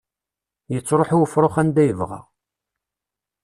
Yettruḥu ufrux anda yebɣa.